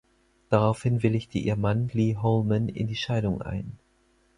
Daraufhin willigte ihr Mann Leigh Holman in die Scheidung ein.